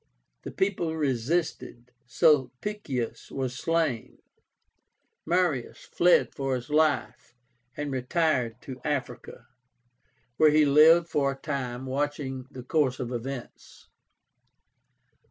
The people resisted; Sulpicius was slain; Marius fled for his life, and retired to Africa, where he lived for a time, watching the course of events.